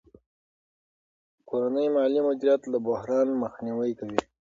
کورنی مالي مدیریت له بحران مخنیوی کوي.